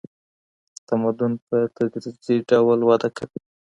تمدن په تدریجي ډول وده کوي.